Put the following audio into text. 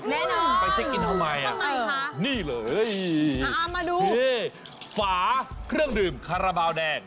แน่นอนไปเช็คอินทำไมนี่เลยฝาเครื่องดื่มคาราบาวแดง